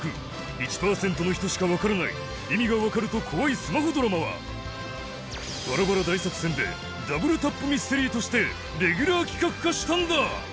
「１％ の人しか分からない意味が分かると怖いスマホドラマ」はバラバラ大作戦で『ダブルタップミステリー』としてレギュラー企画化したんだ